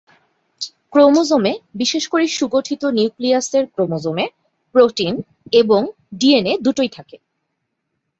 ক্রোমোজোমে, বিশেষ করে সুগঠিত নিউক্লিয়াসের ক্রোমোজোমে "প্রোটিন" এবং "ডি এন এ" দুটোই থাকে।